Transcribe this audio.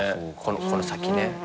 この先ね。